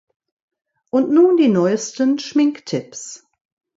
Und nun die neuesten Schminktips.